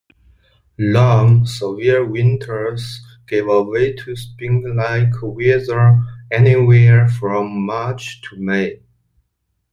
Long, severe winters give way to springlike weather anywhere from March to May.